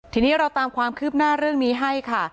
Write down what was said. ทีนี้เราตามความคืบหน้าเรื่องนี้ให้ค่ะ